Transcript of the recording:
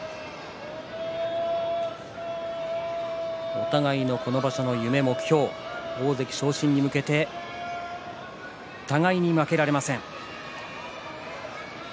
お互いの、この場所の夢、目標大関昇進に向けて互いに負けられません。